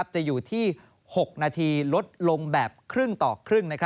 จะอยู่ที่๖นาทีลดลงแบบครึ่งต่อครึ่ง